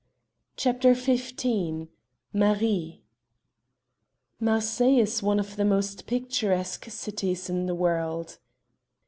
CHAPTER XV "MARIE" Marseilles is one of the most picturesque cities in the world.